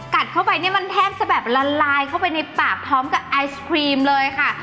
กัดเข้าไปเนี่ยมันแทบจะแบบละลายเข้าไปในปากพร้อมกับไอศครีมเลยค่ะ